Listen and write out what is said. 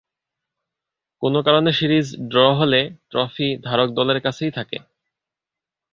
কোন কারণে series draw হলে ট্রফি ধারক দলের কাছেই থাকে।